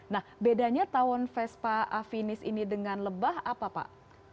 nah bedanya tawon vespa afinis ini dengan lebah apa pak